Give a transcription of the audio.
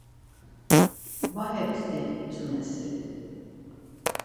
Va yebzdi gitzumer si.